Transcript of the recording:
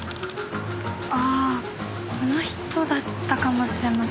ああこの人だったかもしれません。